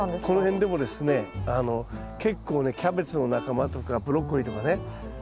この辺でもですね結構ねキャベツの仲間とかブロッコリーとかね